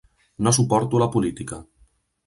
No suporto la política.